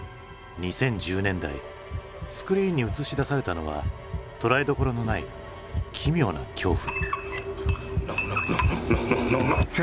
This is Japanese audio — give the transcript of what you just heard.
２０１０年代スクリーンに映し出されたのは捉えどころのない奇妙な恐怖。